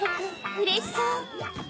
うれしそう！